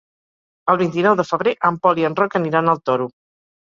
El vint-i-nou de febrer en Pol i en Roc aniran al Toro.